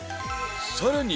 ［さらに］